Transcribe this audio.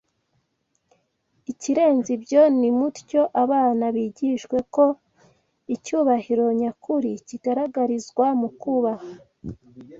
Ikirenze ibyo, nimutyo abana bigishwe ko icyubahiro nyakuri kigaragarizwa mu kubaha